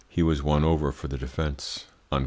He was won over for the defence."